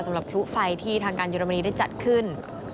สำหรับผู้ไฟที่ทางการเยอรมนีได้จัดขึ้น